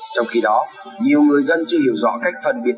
trong khi đó nhiều người dân chưa hiểu rõ cách phân biệt